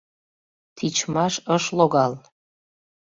Тичмаш ыш логал.